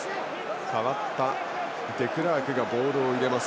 代わったデクラークがボールを入れます。